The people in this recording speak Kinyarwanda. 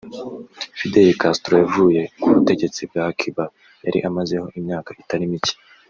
Fidel Castro yavuye ku butegetsi bwa Cuba yari amazeho imyaka itari mike